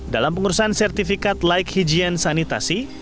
dalam pengurusan sertifikat like hijien sanitasi